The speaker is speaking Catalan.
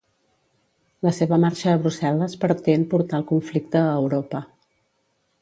La seva marxa a Brussel·les pretén portar el conflicte a Europa.